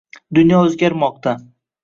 Dunyo oʻzgarmoqda.